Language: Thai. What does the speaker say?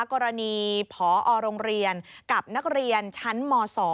กรณีผอโรงเรียนกับนักเรียนชั้นม๒